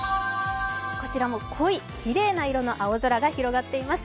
こちらも濃いきれいな色の青空が広がっています。